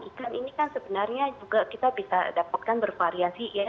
ikan ini kan sebenarnya juga kita bisa dapatkan bervariasi ya